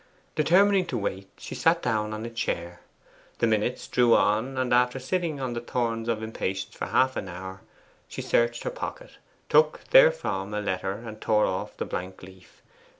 Determining to wait, she sat down on a chair. The minutes drew on, and after sitting on the thorns of impatience for half an hour, she searched her pocket, took therefrom a letter, and tore off the blank leaf.